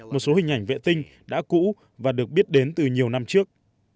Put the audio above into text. một số hình ảnh vệ tinh đã cũ và được biết đến từ nhiều năm trước